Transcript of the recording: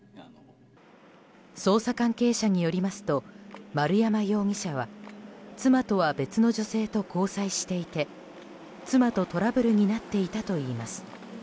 捜査関係者によりますと丸山容疑者は妻とは別の女性と交際していて妻とトラブルになっていたといいます。